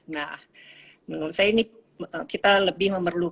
nah menurut saya ini kita lebih memerlukan